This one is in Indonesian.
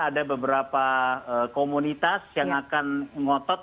ada beberapa komunitas yang akan ngotot